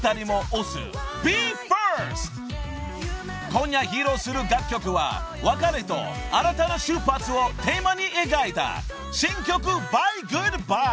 ［今夜披露する楽曲は別れと新たな出発をテーマに描いた新曲『Ｂｙｅ−Ｇｏｏｄ−Ｂｙｅ』］